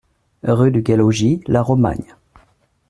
Rue du Gai Logis, La Romagne